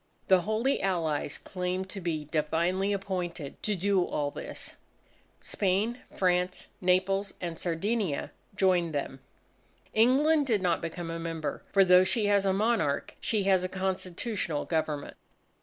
The Holy Allies claimed to be divinely appointed to do all this. Spain, France, Naples, and Sardinia joined them. England did not become a member for though she has a monarch, she has a Constitutional Government.